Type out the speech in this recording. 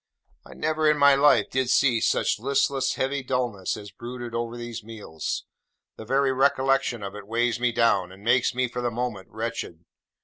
I never in my life did see such listless, heavy dulness as brooded over these meals: the very recollection of it weighs me down, and makes me, for the moment, wretched.